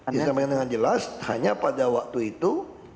disampaikan dengan jelas hanya pada waktu itu